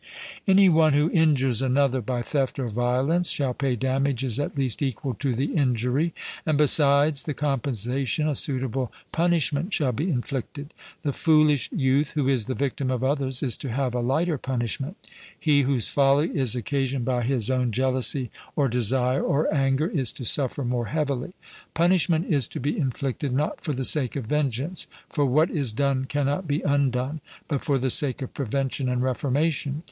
Any one who injures another by theft or violence shall pay damages at least equal to the injury; and besides the compensation, a suitable punishment shall be inflicted. The foolish youth who is the victim of others is to have a lighter punishment; he whose folly is occasioned by his own jealousy or desire or anger is to suffer more heavily. Punishment is to be inflicted, not for the sake of vengeance, for what is done cannot be undone, but for the sake of prevention and reformation.